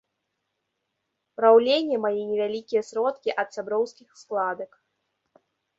Праўленне мае невялікія сродкі ад сяброўскіх складак.